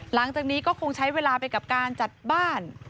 หลังจากนี้ก็คงใช้เวลาไปกับการจัดบ้าน